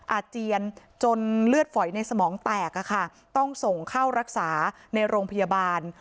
อาเจียนจนเลือดฝอยในสมองแตกต้องส่งเข้ารักษาในโรงพยาบาล